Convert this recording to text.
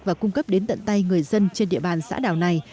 và cung cấp đến tận tay người dân trên địa bàn xã đảo này